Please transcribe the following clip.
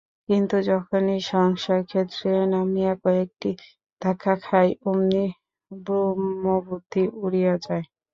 কিন্তু যখনই সংসারক্ষেত্রে নামিয়া কয়েকটি ধাক্কা খাই, অমনি ব্রহ্মবুদ্ধি উড়িয়া যায়।